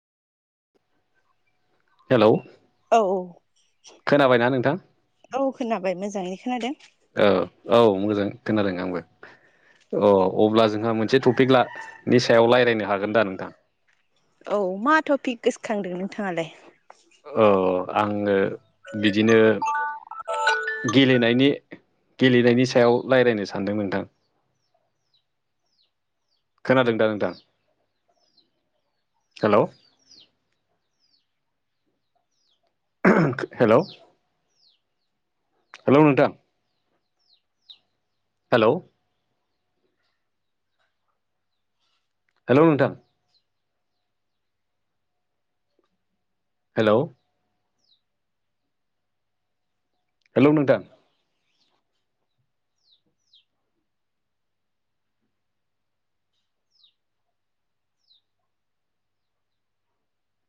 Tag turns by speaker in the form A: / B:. A: hello
B: औ
A: खोनाबायना नोंथां
B: औ औ खोनाबाय मोजाङै खोनादों
A: औ औ मोजां खोनादों आंबो अ अब्ला जोंहा मोनसे टपिक ला नि सायाव लायरायनो हागोन दा नोंथां
B: औ मा थपिक गोसोखांदों नोंथाङालाय
A: अ आङो बिदिनो गेलेनायनि गेलेनायनि सायाव लायरायनो सानदों नोंथां [inaudible] खोनादों दा नोंथां हेल' हेल' हेलौ नोंथां हेल' हेल' नोंथां हेल' हेल' नोंथां